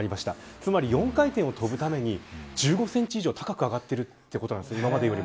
つまり、４回転を跳ぶために１５センチ以上高く上がっているということです、今までより。